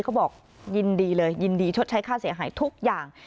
เขาบอกยินดีเลยยินดีชดใช้ค่าเสียหายทุกอย่าง